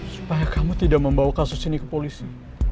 supaya kamu tidak membawa kasus ini ke polisi